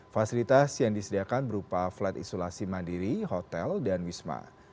fasilitas yang disediakan berupa flight isolasi mandiri hotel dan wisma